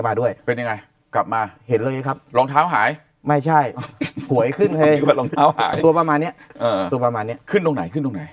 ตัวประมาณเนี้ยเออตัวประมาณเนี้ยเออขึ้นตรงไหนขึ้นตรงไหน